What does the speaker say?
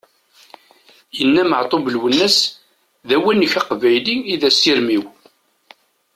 Yenna Meɛtub Lwennas: "d awanek aqbayli i d asirem-iw!"